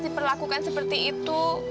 diperlakukan seperti itu